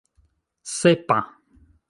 sepa